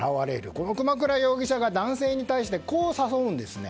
この熊倉容疑者が男性に対してこう誘うんですね。